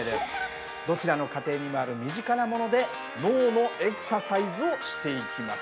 どちらの家庭にもある身近なもので脳のエクササイズをしていきます。